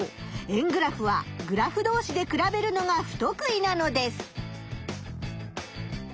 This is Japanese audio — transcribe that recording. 円グラフはグラフどうしで比べるのがふとく意なのです。